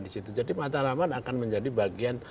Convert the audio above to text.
di situ jadi mataraman akan menjadi bagian